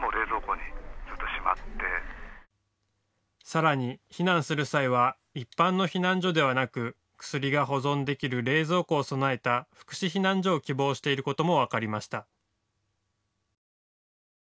さらに避難する際は一般の避難所ではなく薬が保存できる冷蔵庫を備えた福祉避難所を希望していることも分かりました。